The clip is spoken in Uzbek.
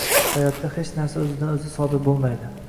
Hayotda hech narsa o’zidan o’zi sodir bo’lmaydi